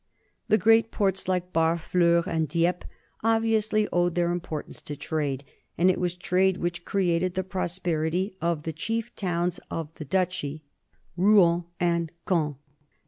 The great ports, like Barfleur and Dieppe, obviously owed their importance to trade, and it was trade which created the prosperity of the chief towns of the duchy, Rouen and Caen.